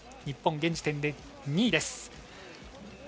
日本、現時点で２位です。